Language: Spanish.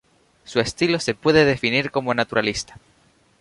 Su estilo se pude definir como naturalista.